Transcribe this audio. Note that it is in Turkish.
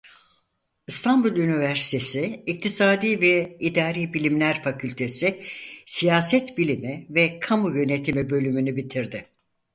İstanbul Üniversitesi İktisadi ve İdari Bilimler Fakültesi Siyaset Bilimi ve Kamu Yönetimi bölümünü bitirdi.